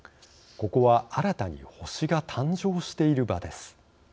ここは新たに星が誕生している場です。